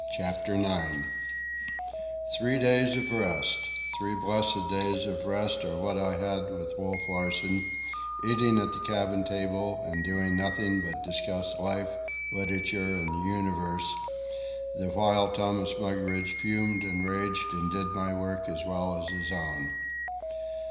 CHAPTER IX Three days of rest, three blessed days of rest, are what I had with Wolf Larsen, eating at the cabin table and doing nothing but discuss life, literature, and the universe, the while Thomas Mugridge fumed and raged and did my work as well as his own.